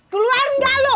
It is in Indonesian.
keluar gak lo